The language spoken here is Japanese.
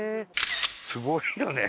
すごいよね